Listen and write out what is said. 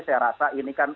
saya rasa ini kan